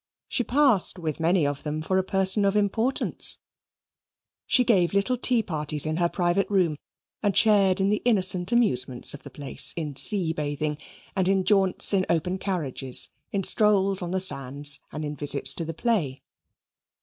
She passed with many of them for a person of importance; she gave little tea parties in her private room and shared in the innocent amusements of the place in sea bathing, and in jaunts in open carriages, in strolls on the sands, and in visits to the play.